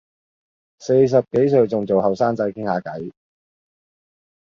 四十幾歲仲做後生仔傾吓偈